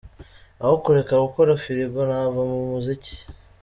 Aho kureka gukora firigo nava mu muziki.